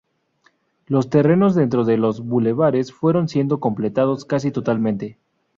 Los terrenos dentro de los bulevares fueron siendo completados casi totalmente.